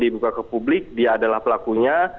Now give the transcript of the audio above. dibuka ke publik dia adalah pelakunya